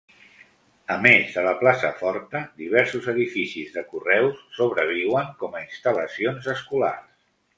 A més de la plaça forta, diversos edificis de correus sobreviuen com a instal·lacions escolars.